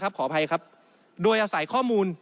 ขออภัยครับโดยอาศัยข้อมูล